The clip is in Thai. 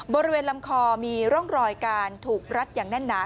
บริเวณลำคอมีร่องรอยการถูกรัดอย่างแน่นหนา